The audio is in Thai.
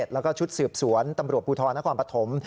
แล้วก็ชุดสืบสวนตำรวจภูทรนครปฐม